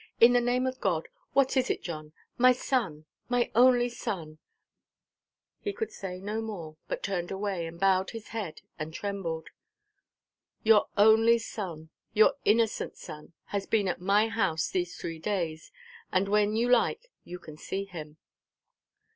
In the name of God, what is it, John? My son!—my only son——" He could say no more, but turned away, and bowed his head, and trembled. "Your only son, your innocent son, has been at my house these three days; and when you like, you can see him."